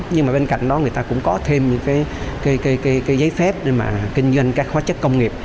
nhưng mà bên cạnh đó người ta cũng có thêm những cái giấy phép để mà kinh doanh các hóa chất công nghiệp